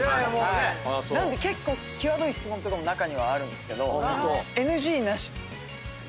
なんで結構際どい質問とかも中にはあるんですけどＮＧなしで。